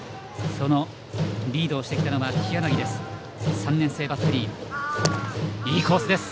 そのリードをしてきたのは日柳です。